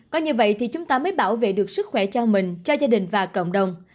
có như vậy thì chúng ta mới bảo vệ được sức khỏe cho mình cho gia đình và cộng đồng